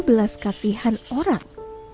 belas kasihan orang